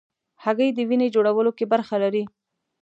هګۍ د وینې جوړولو کې برخه لري.